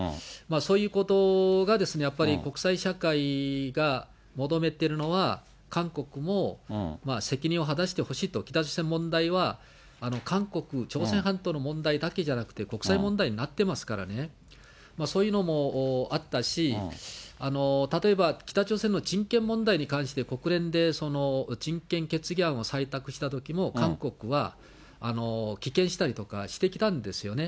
そういうことがやっぱり、国際社会が求めているのは、韓国も責任を果たしてほしいと、北朝鮮問題は韓国、朝鮮半島の問題だけじゃなくて、国際問題になってますからね、そういうのもあったし、例えば、北朝鮮の人権問題に関して、国連で人権決議案を採択したときも、韓国は棄権したりとかしてきたんですよね。